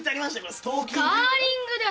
スカーリングだよ。